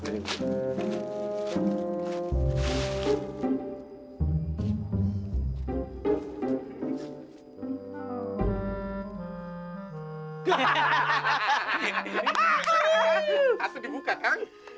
asli dibuka kang